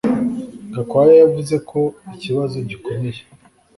Gakwaya yavuze ko ikibazo gikomeye